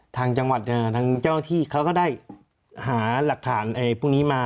ทางจังหวัดทางเจ้าที่เขาก็ได้หาหลักฐานพวกนี้มา